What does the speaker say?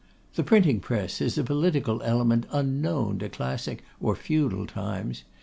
The Printing press is a political element unknown to classic or feudal times.